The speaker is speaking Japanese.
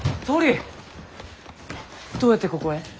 どうやってここへ？